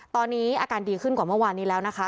ตอนนี้อาการดีขึ้นกว่าเมื่อวานนี้แล้วนะคะ